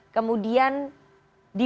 kemudian di bulan juli